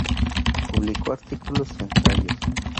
Publicó artículos y ensayos.